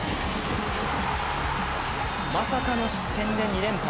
まさかの失点で２連敗。